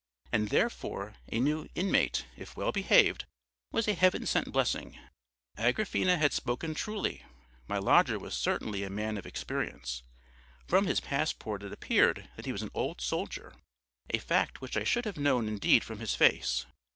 And therefore a new inmate, if well behaved, was a heaven sent blessing. Agrafena had spoken truly: my lodger was certainly a man of experience. From his passport it appeared that he was an old soldier, a fact which I should have known indeed from his face.